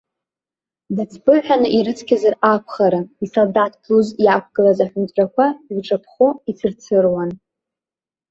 Дацԥыҳәаны ирыцқьазар акәхарын, исолдаҭ блуз иақәгылаз аҳәынҵәрақәа иуҿаԥхо ицырцыруан.